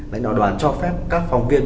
đánh đoàn đoàn cho phép các phòng viên